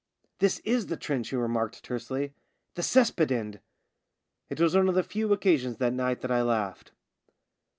" This is the trench," he remarked tersely, " the cess pit end." It was one of the few occasions that night that I laughed.